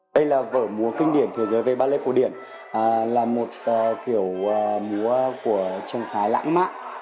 đây là vở múa kinh điển thế giới về ballet cổ điển là một kiểu múa của trường khái lãng mạn